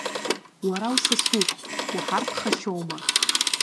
Уара усасуп, уҳарԥхашьома!